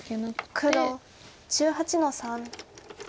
黒１８の三。